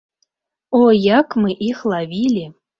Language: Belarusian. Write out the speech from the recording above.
О, як мы іх лавілі!